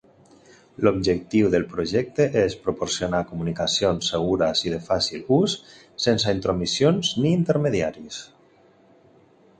L'objectiu del projecte és proporcionar comunicacions segures i de fàcil ús, sense intromissions ni intermediaris.